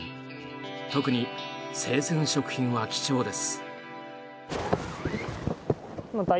特に生鮮食品は貴重です。